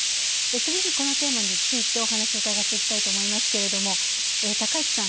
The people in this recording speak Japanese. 次にこのテーマについてお話をうかがっていきたいと、高市さん